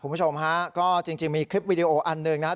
คุณผู้ชมฮะก็จริงมีคลิปวิดีโออันหนึ่งนะครับ